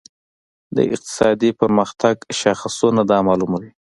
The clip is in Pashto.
د اقتصادي پرمختګ شاخصونه دا معلوموي.